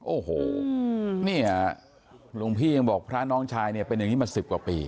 โอ้โหเนี่ยหลวงพี่ยังบอกพระน้องชายเนี่ยเป็นอย่างนี้มา๑๐กว่าปี